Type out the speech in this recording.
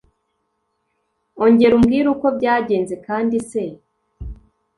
Ongera umbwire uko byagenze kandi se.